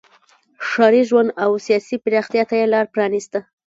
ښاري ژوند او سیاسي پراختیا ته یې لار پرانیسته.